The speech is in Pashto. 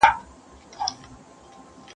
بیا دي سترګي د جانان و لور ته اوړي